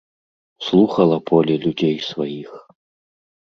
Слухала поле людзей сваіх.